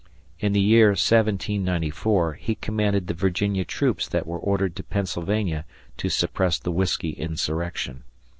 In the year 1794 he commanded the Virginia troops that were ordered to Pennsylvania to suppress the Whiskey Insurrection.